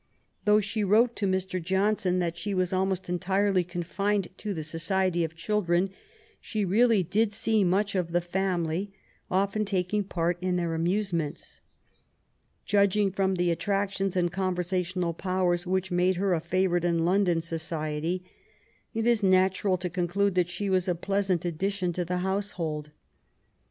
Though she wrote to Mr. Johnson that she was almost entirely confined to the society of children, she really did see much of the family, often taking part in their amusements. Judging from the attractions and conversational powers which made her a favourite in London society, it is natural to conclude she was a pleasant addition to the household.